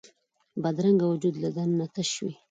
بدرنګه وجود له دننه تش وي